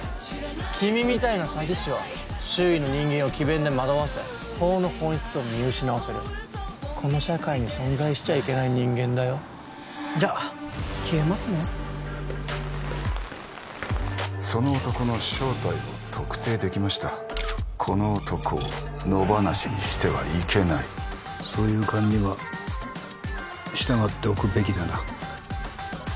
君みたいな詐欺師は周囲の人間を詭弁で惑わせ法の本質を見失わせるこの社会に存在しちゃいけない人間だよじゃ消えますねその男の正体を特定できましたこの男を野放しにしてはいけないそういう勘には従っておくべきだな